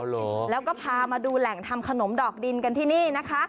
เหรอแล้วก็พามาดูแหล่งทำขนมดอกดินกันที่นี่นะคะ